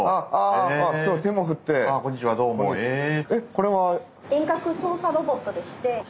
これは。